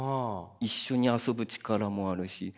一緒に遊ぶ力もあるし